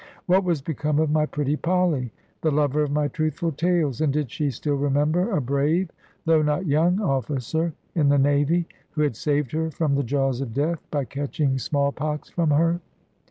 What was become of my pretty Polly, the lover of my truthful tales, and did she still remember a brave, though not young officer in the Navy, who had saved her from the jaws of death, by catching small pox from her?